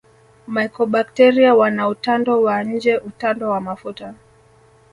Mycobacteria wana utando wa nje utando wa mafuta